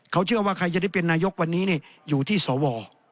เขาเชื่อว่าใครจะได้เป็นนายกวันนี้อยู่ที่สว